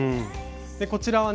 こちらはね